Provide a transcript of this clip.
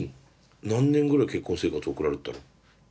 何年ぐらい結婚生活送られてたの？